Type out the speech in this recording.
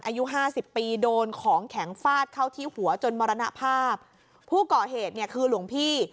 อายุห้าสิบปีโดนของแข็งฟาดเข้าที่หัวจนมรณภาพผู้ก่อเหตุเนี่ยคือหลวงพี่